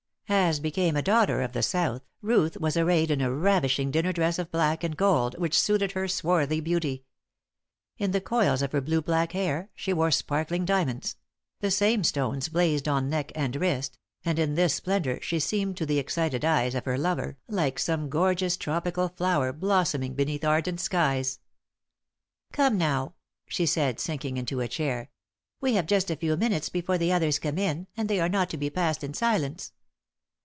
As became a daughter of the South, Ruth was arrayed in a ravishing dinner dress of black and gold which suited her swarthy beauty. In the coils of her blue black hair she wore sparkling diamonds; the same stones blazed on neck and wrists, and in this splendour she seemed to the excited eyes of her lover like some gorgeous tropical flower blossoming beneath ardent skies. "Come now," she said, sinking into a chair. "We have just a few minutes before the others come in, and they are not to be passed in silence."